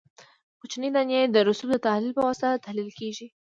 کوچنۍ دانې د رسوب د تحلیل په واسطه تحلیل کیږي